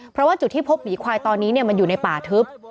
เพราะว่าจุดที่พบหมีควายตอนนี้มันอยู่ในป่าทึบ